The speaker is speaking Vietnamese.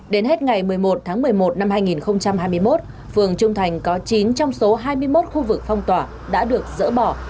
đến hết ngày một mươi một tháng một mươi một năm hai nghìn hai mươi một phường trung thành có chín trong số hai mươi một khu vực phong tỏa đã được dỡ bỏ